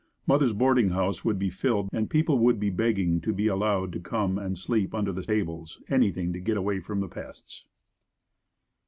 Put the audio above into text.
Mother's boarding house would be filled and people would be begging to be allowed to come and sleep under the tables anything to get in away from the pests.